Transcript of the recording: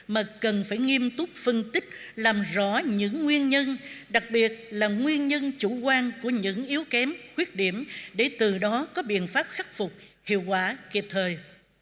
mà cần phải nghiêm túc phân tích làm rõ những nguyên nhân đặc biệt là nguyên nhân chủ quan của những yếu kém khuyết điểm để từ đó có biện pháp khắc phục hiệu quả kịp thời